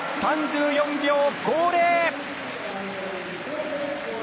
３４秒５０。